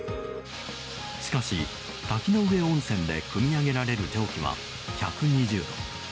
しかし、滝ノ上温泉でくみ上げられる蒸気は１２０度。